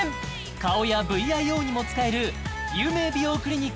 顔やＶＩＯにも使える有名美容クリニック